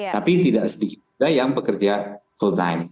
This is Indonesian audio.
tapi tidak sedikit juga yang pekerja full time